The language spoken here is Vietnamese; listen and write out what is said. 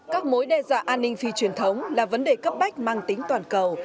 các mối đe dọa an ninh phi truyền thống là vấn đề cấp bách mang tính toàn cầu